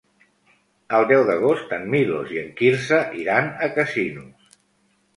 El deu d'agost en Milos i en Quirze iran a Casinos.